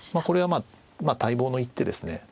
これは待望の一手ですね。